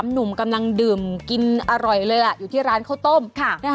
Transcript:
หนุ่มกำลังดื่มกินอร่อยเลยล่ะอยู่ที่ร้านข้าวต้ม